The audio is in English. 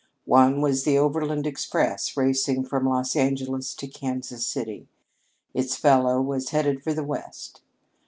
One was the Overland Express racing from Los Angeles to Kansas City; its fellow was headed for the west.